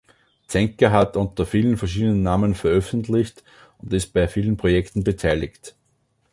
Zenker hat unter vielen verschiedenen Namen veröffentlicht und ist bei vielen Projekten beteiligt.